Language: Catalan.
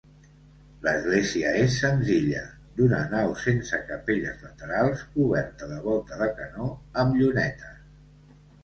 L'església és senzilla, d'una nau sense capelles laterals, coberta de volta de canó amb llunetes.